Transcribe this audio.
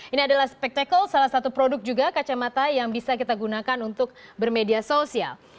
ini adalah spectacle salah satu produk juga kacamata yang bisa kita gunakan untuk bermedia sosial